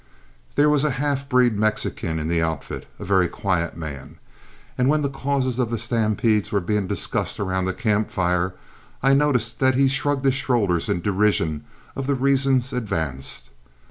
There was a half breed Mexican in the outfit, a very quiet man, and when the causes of the stampedes were being discussed around the camp fire, I noticed that he shrugged his shoulders in derision of the reasons advanced.